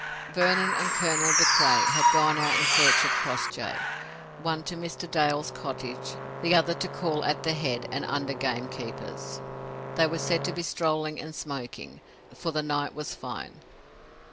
Vernon and Colonel De Craye had gone out in search of Crossjay, one to Mr. Dale's cottage, the other to call at the head and under gamekeeper's. They were said to be strolling and smoking, for the night was fine.